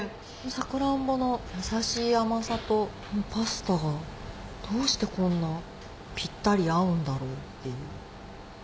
サクランボの優しい甘さとパスタがどうしてこんなぴったり合うんだろうっていう。